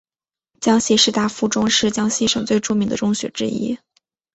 江西师大附中是江西省最著名的中学之一。